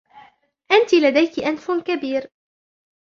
أنتِ لديكِ أنف كبير.